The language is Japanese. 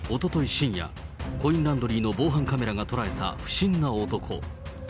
深夜、コインランドリーの防犯カメラが捉えた不審な男。